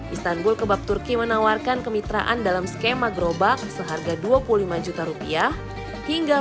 istanbul kebab turki menawarkan kemitraan dalam skema kegagalan